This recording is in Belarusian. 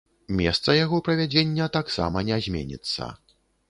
Месца яго правядзення таксама не зменіцца.